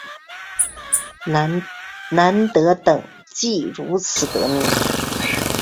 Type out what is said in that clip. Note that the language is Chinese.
南德等即如此得名。